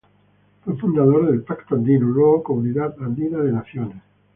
Fue fundador del Pacto Andino luego Comunidad Andina de Naciones.